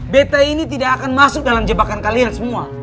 beta ini tidak akan masuk dalam jebakan kalian semua